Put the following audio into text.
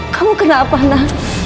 kamu kenapa nak